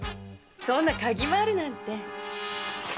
そんな嗅ぎ回るなんて。